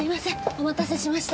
お待たせしました。